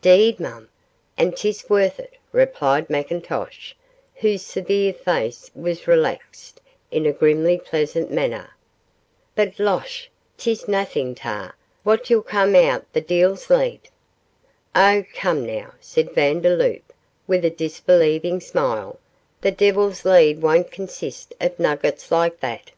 ''Deed, mum, and 'tis worth it,' replied McIntosh, whose severe face was relaxed in a grimly pleasant manner; 'but losh! 'tis naething tae what 'ull come oot o' the Deil's Lead.' 'Oh, come, now,' said Vandeloup, with a disbelieving smile, 'the Devil's Lead won't consist of nuggets like that.